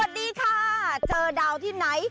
สวัสดีค่ะเจอดาวที่ไหน